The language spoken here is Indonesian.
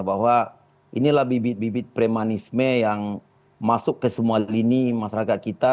bahwa inilah bibit bibit premanisme yang masuk ke semua lini masyarakat kita